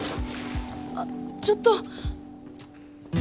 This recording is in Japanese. あっちょっと